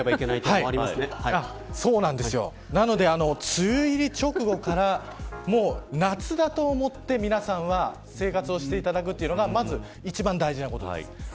梅雨入り直後から夏だと思って皆さんは生活をしていただくのが一番大事なことです。